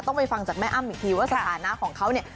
ไปฟังจากแม่อ้ำอีกทีว่าสถานะของเขาเนี่ย